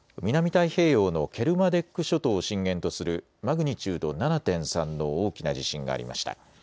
太平洋のケルマデック諸島を震源とするマグニチュード７．３の大きな地震がありました。